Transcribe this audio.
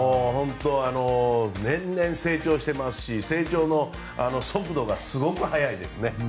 年々、成長していますし成長の速度もすごく速いですね。